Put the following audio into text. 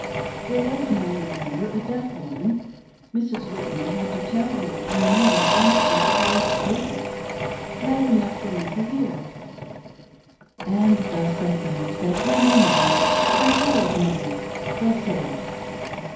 There was among our num ber a deaf woman ; Mrs. Whitney had to tell her her name once or twice over, loud enough for me to hear, and thus I A VOICE FROM BEHIND THE CURTAIN. 36I found that her new name, as well as mine, was Sarah.